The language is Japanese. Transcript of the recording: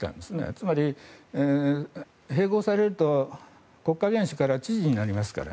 つまり、併合されると国家元首から知事になりますから。